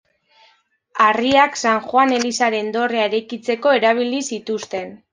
Harriak San Joan elizaren dorrea eraikitzeko erabili zituzten.